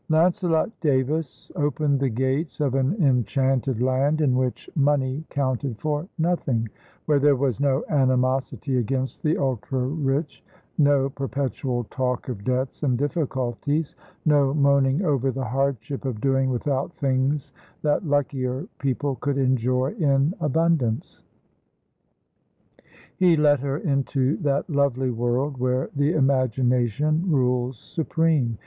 Lancelot Davis opened the gates of an enchanted land in which money counted for nothing, where there was no animosity against the ultra rich, no perpetual talk of debts and difficulties, no moaning over the hardship of doing without things that luckier people could enjoy in abundance. He let her into that lovely world where the imagination rules supreme.